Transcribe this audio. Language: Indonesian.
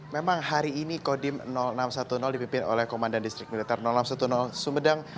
memang hari ini kodim enam ratus sepuluh dipimpin oleh komandan distrik militer enam ratus sepuluh sumedang